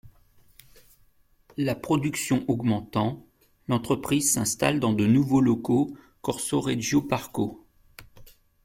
La production augmentant, l’entreprise s’installe dans de nouveaux locaux, corso Regio Parco.